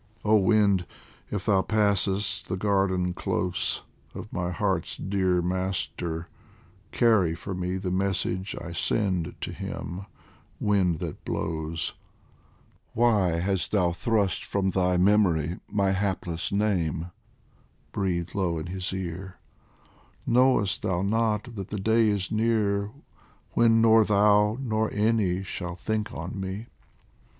Oh wind, if thou passest the garden close Of my heart's dear master, carry for me The message I send to him, wind that blows !" Why hast thou thrust from thy memory My hapless name ?" breathe low in his ear ;" Knowest thou not that the day is near When nor thou nor any shall think on me